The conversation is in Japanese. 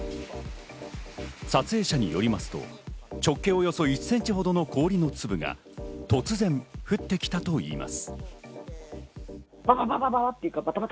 撮影者によりますと直径およそ１ｃｍほどの氷の粒が突然、降ってきたといいます。